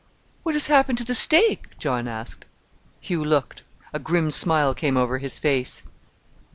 "What has happened to the steak?" John asked. Hugh looked. A grim smile came over his face.